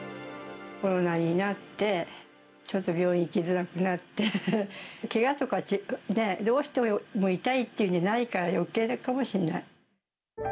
コロナになって、ちょっと病院行きづらくなって、けがとか、どうしても痛いっていうんじゃないから、よけいかもしんない。